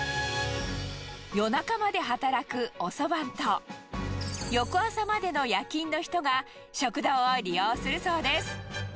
夜中まで働く遅番と、翌朝までの夜勤の人が食堂を利用するそうです。